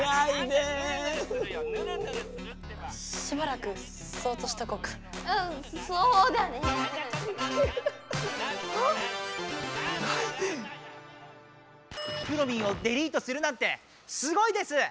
くろミンをデリートするなんてすごいです！